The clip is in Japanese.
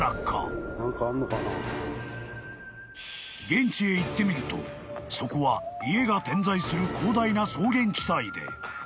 ［現地へ行ってみるとそこは家が点在する広大な草原地帯で］